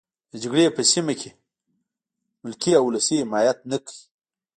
د جګړې په سیمه کې ملکي او ولسي حمایت نه کوي.